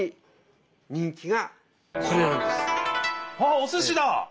あっおすしだ！